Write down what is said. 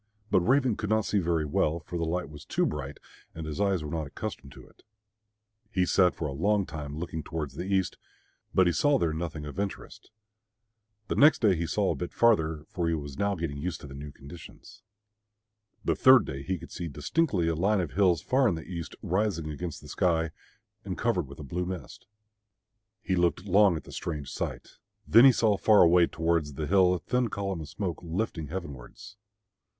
But Raven could not see very well, for the light was too bright and his eyes were not accustomed to it. He sat for a time looking towards the east, but he saw there nothing of interest. The next day he saw a bit farther, for he was now getting used to the new conditions. The third day he could see distinctly a line of hills far in the east, rising against the sky, and covered with a blue mist. He looked long at the strange sight. Then he saw far away towards the hill a thin column of smoke lifting heavenwards.